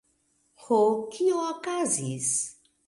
Ho? Kio okazis?